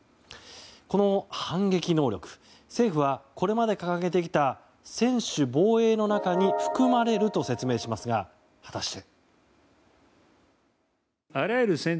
この反撃能力政府はこれまで掲げてきた専守防衛の中に含まれると説明しますが、果たして。